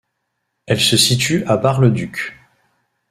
Elles se situent à Bar-le-Duc.